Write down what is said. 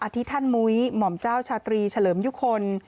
ที่ท่านมุ้ยหม่อมเจ้าชาตรีเฉลิมยุคล